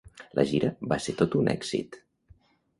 La gira va ser tot un èxit.